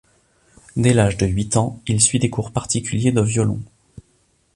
Dès l'âge de huit ans, il suit des cours particuliers de violon.